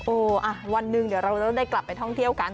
อ่ะวันหนึ่งเดี๋ยวเราได้กลับไปท่องเที่ยวกัน